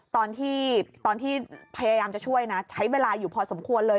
ตอนที่พยายามจะช่วยนะใช้เวลาอยู่พอสมควรเลย